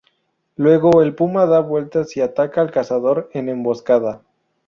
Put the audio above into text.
Luego, el puma da vueltas y ataca al cazador en emboscada.